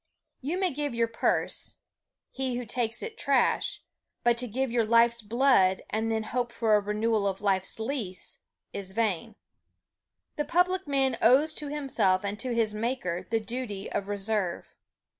You may give your purse he who takes it takes trash but to give your life's blood and then hope for a renewal of life's lease, is vain. The public man owes to himself and to his Maker the duty of reserve.